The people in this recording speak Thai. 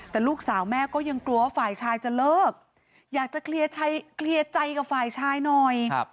แต่ลูกสาวแม่ก็ยังกลัวว่าฝ่ายชายจะเลิกอยากจะเคลียร์ใจกับฝ่ายชายหน่อย